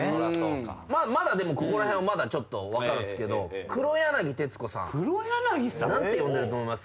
まだでもここら辺はまだちょっと分かるんすけど黒柳徹子さん何て呼んでると思います？